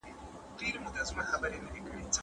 د کاپي رایټ قانون پلي کول اړین دي.